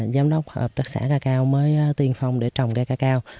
giám đốc hợp tác xã ca cao mới tiên phong để trồng cây ca cao